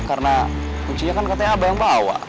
karena kuncinya kan katanya abah yang bawa